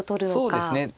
そうですね。